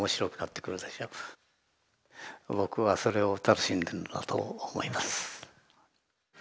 僕はそれを楽しんでるんだと思います。